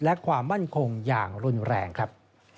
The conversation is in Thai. และความมั่นคงอย่างรุนแรงครับ